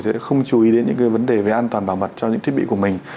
sẽ không chú ý đến những cái vấn đề về an toàn bảo mật cho những thiết bị của mình